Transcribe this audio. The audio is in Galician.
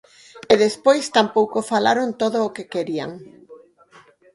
E despois tampouco falaron todo o que querían.